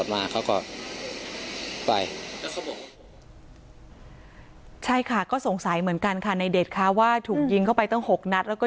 จนใดเจ้าของร้านเบียร์ยิงใส่หลายนัดเลยค่ะ